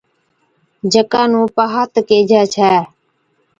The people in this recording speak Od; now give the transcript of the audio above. جڪا نُون پَھات ڪيجھي ڇَي